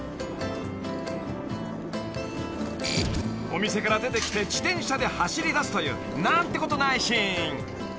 ［お店から出てきて自転車で走りだすという何てことないシーン］